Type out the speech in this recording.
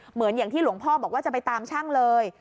เหมือนอย่างที่หลวงพ่อบอกว่าจะไปตามช่างเลย